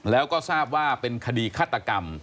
แล้วก็ทราบว่าเป็นคดีฆาตกรรม